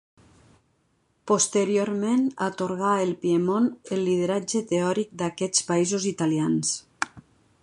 Posteriorment atorgà al Piemont el lideratge teòric d'aquests països italians.